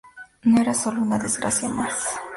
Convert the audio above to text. No era solo una desgracia más.